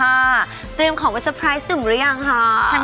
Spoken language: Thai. แอร์โหลดแล้วคุณล่ะโหลดแล้ว